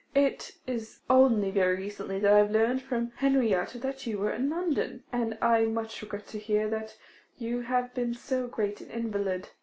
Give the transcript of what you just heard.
It is only very recently that I have learnt from Henrietta that you were in London, and I much regret to hear that you have been so great an invalid.